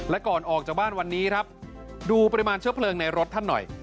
และก่อนออกจากบ้านวันนี้ครับดูปริมาณเชื้อเพลิงในรถท่านหน่อย